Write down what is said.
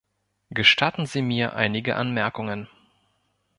Gestatten Sie mir einige Anmerkungen.